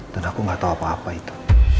dan aku gak tahu apa apa itu